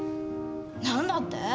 何だって？